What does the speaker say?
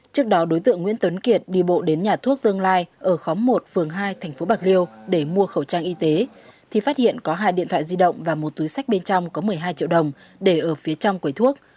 trước đó đối tượng nguyễn tuấn kiệt đi bộ đến nhà thuốc tương lai ở khóm một phường hai tp bạc liêu để mua khẩu trang y tế thì phát hiện có hai điện thoại di động và một túi sách bên trong có một mươi hai triệu đồng để ở phía trong quầy thuốc